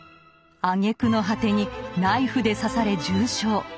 あげくの果てにナイフで刺され重傷。